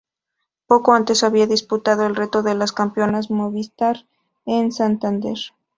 Poco antes habían disputado el Reto de las Campeonas Movistar en Santander.